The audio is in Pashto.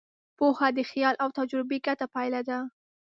پوهه د خیال او تجربې ګډه پایله ده.